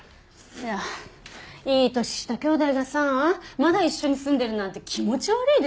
いやいい年した兄妹がさまだ一緒に住んでるなんて気持ち悪いでしょ。